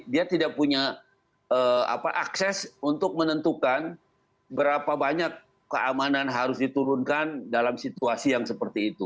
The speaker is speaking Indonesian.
dia tidak punya akses untuk menentukan berapa banyak keamanan harus diturunkan dalam situasi yang seperti itu